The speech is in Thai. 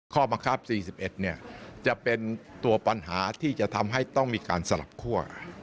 ข้อบังคับ๔๑จะเป็นตัวปัญหาที่จะทำให้ต้องมีการสลับคั่ว